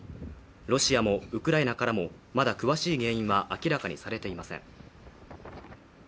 ロシアもウクライナからもまだ詳しい原因は明らかにされていません。